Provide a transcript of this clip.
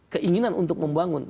keinginan untuk membangun